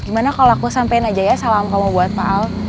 gimana kalo aku sampein aja ya salam kamu buat pak al